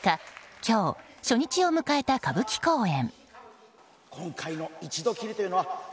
今日、初日を迎えた歌舞伎公演。